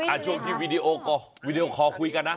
อาชุมที่วีดีโอคอล์คุยกันนะ